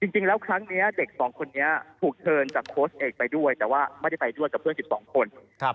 จริงแล้วครั้งนี้เด็กสองคนนี้ถูกเชิญจากโค้ชเอกไปด้วยแต่ว่าไม่ได้ไปด้วยกับเพื่อน๑๒คน